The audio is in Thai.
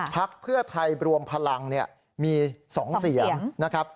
พักเพื่อไทยรวมพลังมี๒เสียง